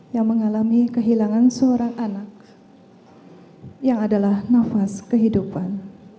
yang mengalami kehilangan seorang anak yang adalah nafas kehidupan